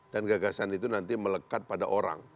dan gagasan itu nanti melekat pada orang